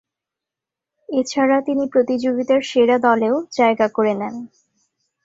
এছাড়া তিনি প্রতিযোগিতার সেরা দলেও জায়গা করে নেন।